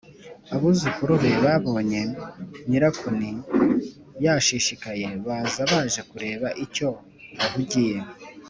abuzukuru be babonye nyirakuni yashishikaye, baza baj e kureba icyo ahugiye